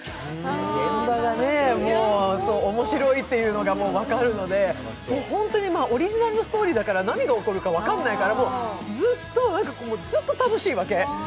面白いっていうのがもう分かるので本当にオリジナルのストーリーだから、何が起こるか分からないからずっと楽しいわけ。